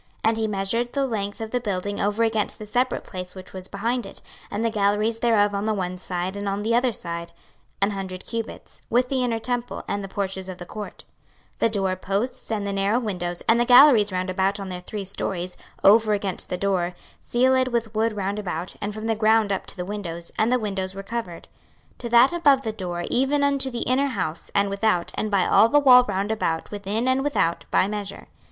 26:041:015 And he measured the length of the building over against the separate place which was behind it, and the galleries thereof on the one side and on the other side, an hundred cubits, with the inner temple, and the porches of the court; 26:041:016 The door posts, and the narrow windows, and the galleries round about on their three stories, over against the door, cieled with wood round about, and from the ground up to the windows, and the windows were covered; 26:041:017 To that above the door, even unto the inner house, and without, and by all the wall round about within and without, by measure.